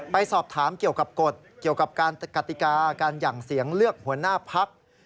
ไปสอบถามเกี่ยวกับกฎเกี่ยวกับการกติกาการหยั่งเสียงเลือกหัวหน้าพัก